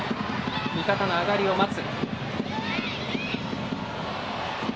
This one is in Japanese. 味方の上がりを待つ。